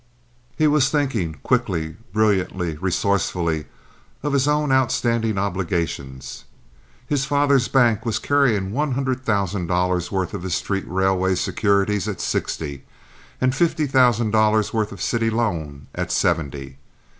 He was thinking quickly, brilliantly, resourcefully of his own outstanding obligations. His father's bank was carrying one hundred thousand dollars' worth of his street railway securities at sixty, and fifty thousand dollars' worth of city loan at seventy.